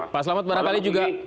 pak selamat barangkali juga